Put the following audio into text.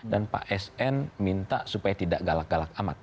dan pak sn minta supaya tidak galak galak amat